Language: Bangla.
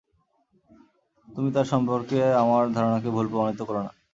তুমি তার সম্পর্কে আমার ধারণাকে ভুল প্রমাণিত করো না।